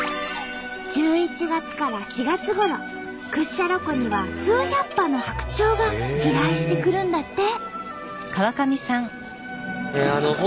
１１月から４月ごろ屈斜路湖には数百羽の白鳥が飛来してくるんだって。